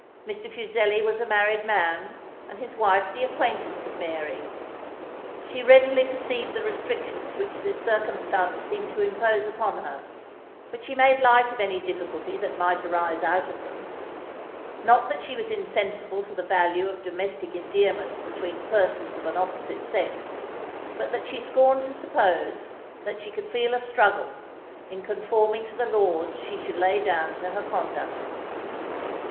Mr. Fuseli was a married man, and his wife the acquaintance of Mary. She readily perceived the restrictions which this circumstance seemed to impose upon her; but she made light of any difficulty that might arise out of them. Not that she was insensible to the value of domestic endearments between persons of an opposite sex, but that she scorned to suppose, that she could feel a struggle, in conforming to the laws she should lay down to her conduct.